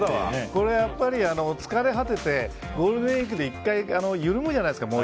これはやっぱり疲れ果ててゴールデンウィークで１回緩むじゃないですか。